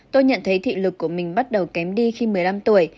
tôi nhận thấy thị lực của mình bắt đầu kém đi khi một mươi năm tuổi